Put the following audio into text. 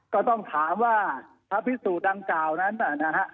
ก็ต้องถามว่าพระพิสุดังกล่าวนั้นนะฮะ